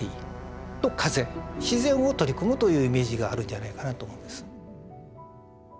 自然を取り込むというイメージがあるんじゃないかなと思うんです。